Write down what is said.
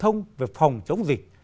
truyền thông về phòng chống dịch